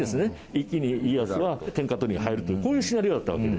一気に家康は天下取りに入るというこういうシナリオだったわけで。